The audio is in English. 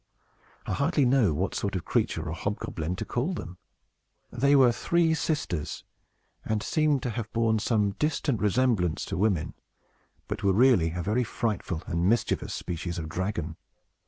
I hardly know what sort of creature or hobgoblin to call them. They were three sisters, and seem to have borne some distant resemblance to women, but were really a very frightful and mischievous species of dragon.